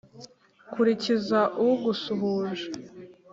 kurikiriza ugusuhuje;